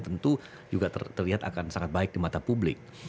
tentu juga terlihat akan sangat baik di mata publik